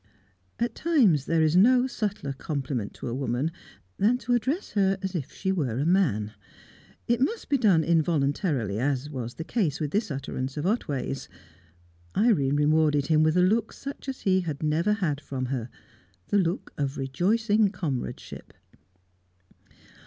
At times, there is no subtler compliment to a woman than to address her as if she were a man. It must be done involuntarily, as was the case with this utterance of Otway's. Irene rewarded him with a look such as he had never had from her, the look of rejoicing comradeship.